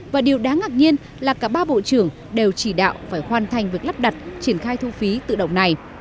và điều đáng ngạc nhiên là cả ba bộ trưởng đều chỉ đạo phải hoàn thành việc lắp đặt triển khai thu phí tự động này